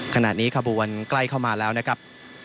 ขณะนี้ขบวนใกล้เข้ามาแล้วนะครับ